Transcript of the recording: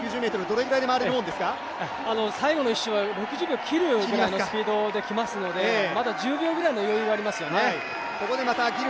最後の１周は６０秒を切るスピードで来ますのでまだ１０秒ぐらいの余裕がありますよね。